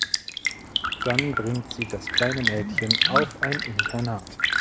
Dann bringt sie das kleine Mädchen auf ein Internat.